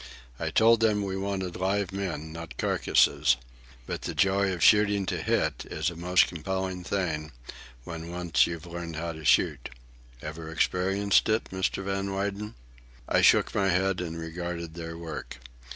I told them we wanted live men, not carcasses. But the joy of shooting to hit is a most compelling thing, when once you've learned how to shoot. Ever experienced it, Mr. Van Weyden?" I shook my head and regarded their work.